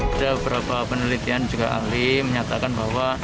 ada beberapa penelitian juga ahli menyatakan bahwa